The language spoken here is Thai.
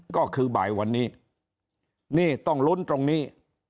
ก็คือบ่ายวันนี้นี่ต้องลุ้นตรงนี้